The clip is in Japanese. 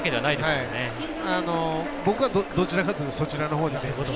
僕は、どちらかというとそちらのほうが。